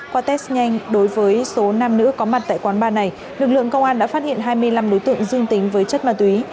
qua test nhanh đối với số nam nữ có mặt tại quán ba này lực lượng công an đã phát hiện hai mươi năm đối tượng dương tính với chất ma túy